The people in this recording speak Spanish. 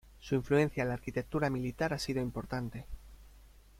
Su influencia en la arquitectura militar ha sido importante.